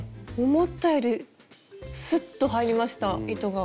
思ったよりスッと入りました糸が。